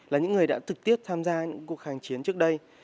là những người đã trực tiếp tham gia những cuộc kháng chiến trước đây